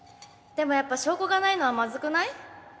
でもやっぱ証拠がないのはまずくない？